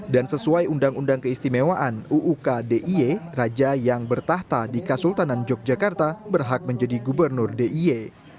dan sesuai undang undang keistimewaan uuk d i e raja yang bertahta di kasultanan yogyakarta berhak menjadi gubernur d i e